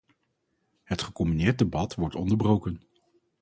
Het gecombineerd debat wordt onderbroken.